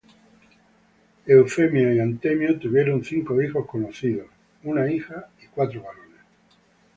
Eufemia y Antemio tuvieron cinco hijos conocidos, una hija y cuatro varones.